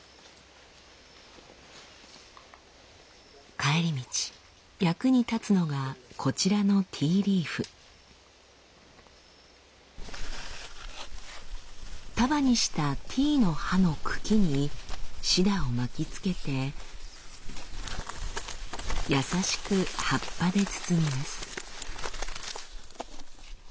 帰り道役に立つのがこちらの束にしたティーの葉の茎にシダを巻きつけて優しく葉っぱで包みます。